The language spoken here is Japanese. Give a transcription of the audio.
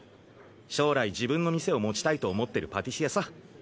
将来自分の店を持ちたいと思ってるパティシエさ。